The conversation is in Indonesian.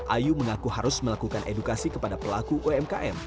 ayu mengaku harus melakukan edukasi kepada pelaku umkm